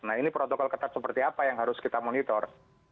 nah ini protokol ketat seperti apa yang harus kita monitor